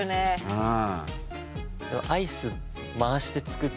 うん。